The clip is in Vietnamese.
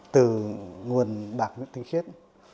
từ nguồn bạc nguyên chất